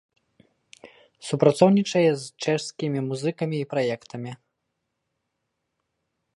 Супрацоўнічае з чэшскімі музыкамі і праектамі.